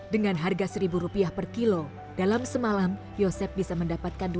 dengan harga seribu rupiah per kilo dalam semalam yosep bisa menerima dua ratus tiga ratus kg sampah kardus